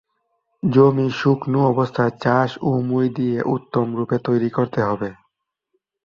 জমি শুকনো অবস্থায় চাষ ও মই দিয়ে উত্তম রূপে তৈরি করতে হবে।